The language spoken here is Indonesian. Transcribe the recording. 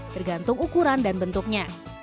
tergantung ukuran dan bentuknya